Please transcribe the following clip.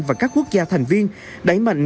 và các quốc gia thành viên đẩy mạnh